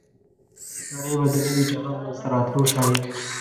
نړۍ به د نوي جهان منځته راتلو شاهده وي.